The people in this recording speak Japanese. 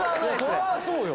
そりゃそうよ。